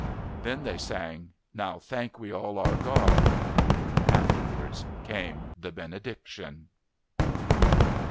Then they sang "Now Thank We All Our God." Afterwards came the Benediction.